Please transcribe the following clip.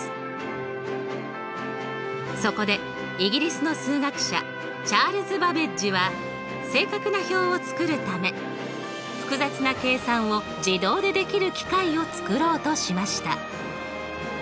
そこでイギリスの数学者チャールズ・バベッジは正確な表を作るため複雑な計算を自動でできる機械を作ろうとしました。